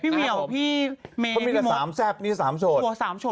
พี่เมียวพี่เมพี่หมดพี่วัดตัว๓โฉด